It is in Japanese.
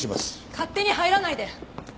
勝手に入らないで！